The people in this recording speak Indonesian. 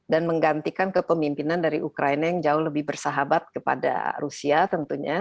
dan menggantikan ke pemimpinan dari ukraina yang jauh lebih bersahabat kepada rusia tentunya